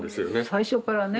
最初からね